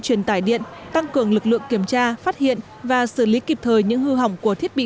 truyền tải điện tăng cường lực lượng kiểm tra phát hiện và xử lý kịp thời những hư hỏng của thiết bị